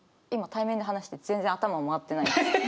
今対面で話してて全然頭回ってないです。